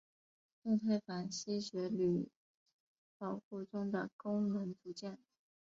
动态反吸血驴保护中的功能组件。